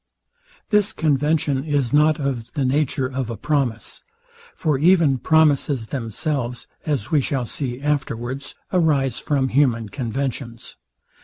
This convention is not of the nature of a promise: For even promises themselves, as we shall see afterwards, arise from human conventions.